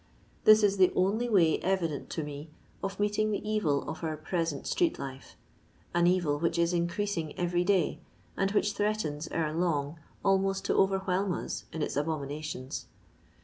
This is the only way evident to me of meeting the evil of our present street life— an evil which is increasing every day, and which threatens, ere long, almost to overwhelm us with its abomina tions.